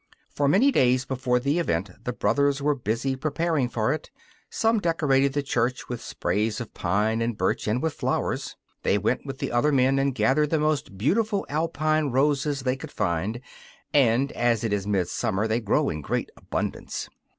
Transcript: For many days before the event the brothers were busy preparing for it. Some decorated the church with sprays of pine and birch and with flowers. They went with the other men and gathered the most beautiful Alpine roses they could find, and as it is midsummer they grow in great abundance.